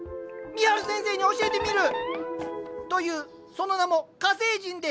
ミハル先生に教えてみる！というその名も火星人です。